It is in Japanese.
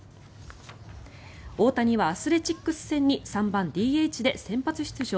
大谷はアスレチックス戦に３番ＤＨで先発出場。